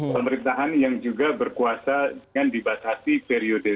pemerintahan yang juga berkuasa dengan dibatasi periode